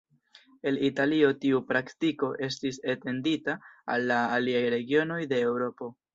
El Italio tiu praktiko estis etendita al aliaj regionoj de Eŭropo.